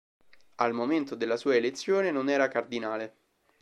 Al momento della sua elezione non era cardinale.